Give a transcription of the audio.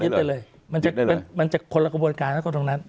ไปเลยมันจะคนละกระบวนการนะคนตรงนั้น